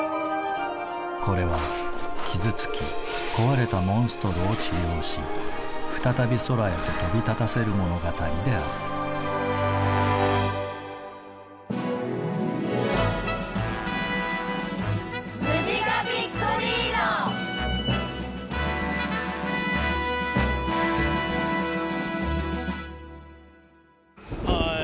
これは傷つき壊れたモンストロを治療し再び空へと飛び立たせる物語であるはい。